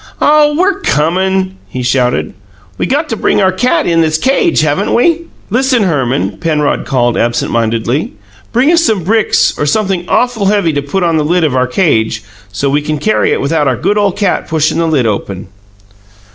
"Oh, we're comin'!" he shouted. "We got to bring our cat in its cage, haven't we?" "Listen, Herman," Penrod called absent mindedly. "Bring us some bricks, or something awful heavy to put on the lid of our cage, so we can carry it without our good ole cat pushin' the lid open."